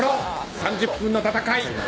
３０分の戦い。